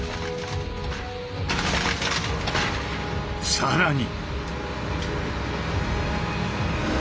更に！